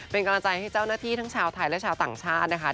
เป็นกำลังใจให้เจ้าหน้าที่ทั้งชาวไทยและชาวต่างชาตินะคะ